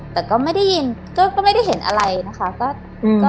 แต่ก็ไม่ได้ยินก็ไม่ได้เห็นอะไรนะคะ